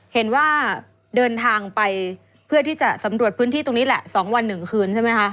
เห็นว่าเดินทางไปเพื่อที่จะสำรวจพื้นที่ตรงนี้แหละ๒วัน๑คืนใช่ไหมคะ